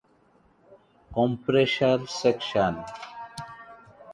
It is a major teaching hospital affiliated with Monash University.